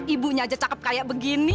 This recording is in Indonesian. ibunya aja cakep kayak begini